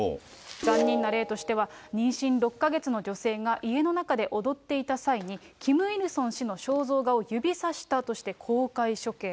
残忍な例としては、妊娠６か月の女性が、家の中で踊っていた際に、キム・イルソン氏の肖像画を指さしたとして公開処刑。